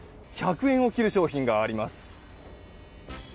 １００円を切る商品があります。